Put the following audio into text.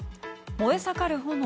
燃え盛る炎。